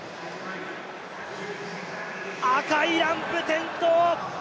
赤いランプ点灯。